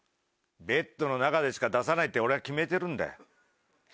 ベッドの中でしか出さないって俺は決めてるんだよ。